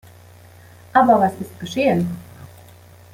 Aber was ist geschehen?